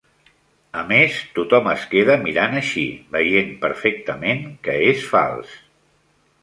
A més, tothom es queda mirant així, veient perfectament que és fals.